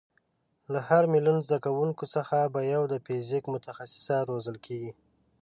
له هر میلیون زده کوونکیو څخه به یو د فیزیک متخصصه روزل کېږي.